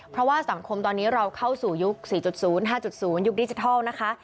เพราะว่าสังคมตอนนี้เราเข้าสู่ยุค๔๐๕๐ยุคดิจิทัลนะคะ